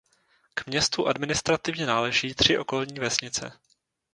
K městu administrativně náleží tři okolní vesnice.